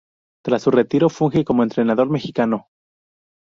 Tras su retiro funge como entrenador mexicano.